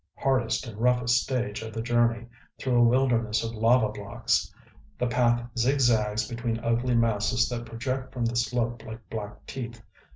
Hardest and roughest stage of the journey, through a wilderness of lava blocks. The path zigzags between ugly masses that project from the slope like black teeth.